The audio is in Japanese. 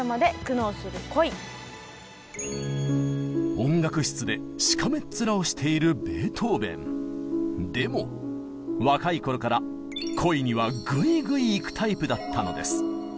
音楽室でしかめっ面をしているでも若い頃から恋にはグイグイいくタイプだったのです。